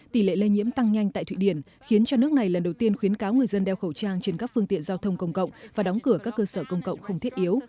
tỷ lệ lây nhiễm tăng nhanh tại thụy điển khiến cho nước này lần đầu tiên khuyến cáo người dân đeo khẩu trang trên các phương tiện giao thông công cộng và đóng cửa các cơ sở công cộng không thiết yếu